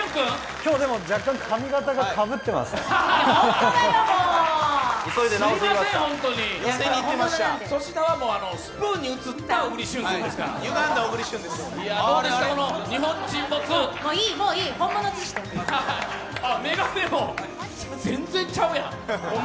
今日、若干髪形がかぶってますね。